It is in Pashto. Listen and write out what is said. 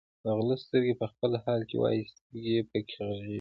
د غله سترګې په خپله حال وایي، سترګې یې پکې غړېږي.